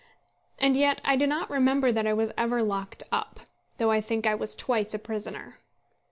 And yet I do not remember that I was ever locked up, though I think I was twice a prisoner.